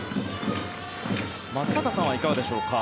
松坂さんはいかがでしょうか。